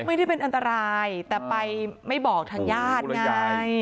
ไม่ได้เป็นอันตรายแต่ไปไม่บอกทางญาติไง